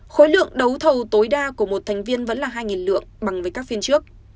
khối lượng đấu thầu tối đa của một thành viên vẫn là hai lượng bằng với các phiên trước